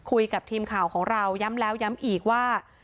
คุยกับทีมข่าวของเราย้ำแล้วย้ำอีกว่า